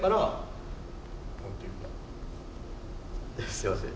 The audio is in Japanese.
すみません。